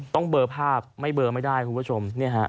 ต้องเบอร์ภาพไม่เบอร์ไม่ได้คุณผู้ชม